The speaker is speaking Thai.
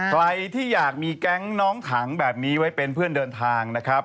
ใครที่อยากมีแก๊งน้องขังแบบนี้ไว้เป็นเพื่อนเดินทางนะครับ